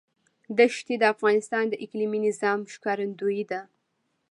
دښتې د افغانستان د اقلیمي نظام ښکارندوی ده.